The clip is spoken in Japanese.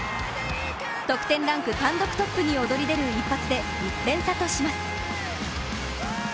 得点ランク単独トップに躍り出る一発で１点差とします。